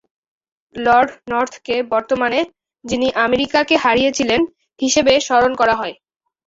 Lord নর্থকে বর্তমানে "যিনি আমেরিকাকে হারিয়েছিলেন" হিসেবে স্মরণ করা হয়।